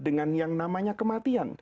dengan yang namanya kematian